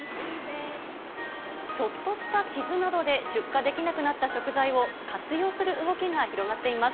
ちょっとした傷などで、出荷できなくなった食材を活用する動きが広がっています。